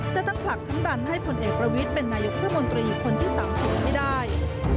จะทั้งผลักทั้งรันให้ผลเอกละวิชเป็นนายกัษมนตรีคนที่๓สิบไม่ได้